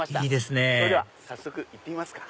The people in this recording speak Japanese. それでは早速行ってみますか。